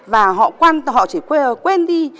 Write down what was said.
và họ chỉ quên đi